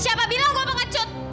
siapa bilang gue pengecut